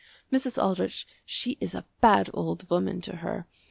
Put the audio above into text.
Mrs. Aldrich, she is a bad old woman to her.